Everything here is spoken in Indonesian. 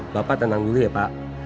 bapak tenang dulu ya pak